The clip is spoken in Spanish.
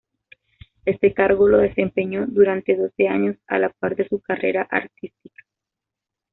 Este cargo lo desempeñó durante doce años a la par de su carrera artística.